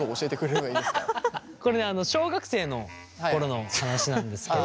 これねあの小学生の頃の話なんですけど。